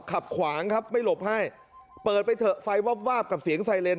ขับขวางครับไม่หลบให้เปิดไปเถอะไฟวาบวาบกับเสียงไซเลน